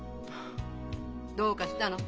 どうかしたの？